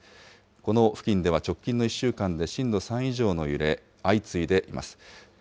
この付近では直近の１週間で震度３以上の揺れ、相次いでいます。